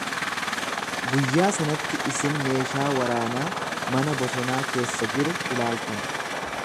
Guyyaa sanatti isin meeshaa waraanaa mana bosonaa keessa jiru ilaaltan.